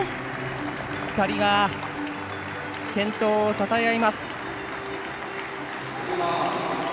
２人が健闘をたたえ合います。